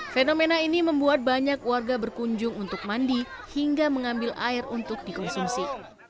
fenomena ini membuat banyak warga berkunjung untuk mandi hingga mengambil air untuk dikonsumsi